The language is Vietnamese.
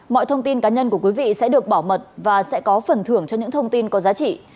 mọi thông tin cá nhân của quý vị sẽ được bảo mật và sẽ có phần thưởng cho những thông tin có giá trị